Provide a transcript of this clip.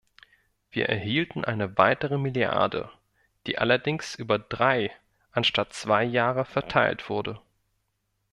Wir erhielten eine weitere Milliarde, die allerdings über drei anstatt zwei Jahre verteilt wurde.